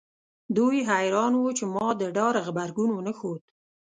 دوی حیران وو چې ما د ډار غبرګون ونه ښود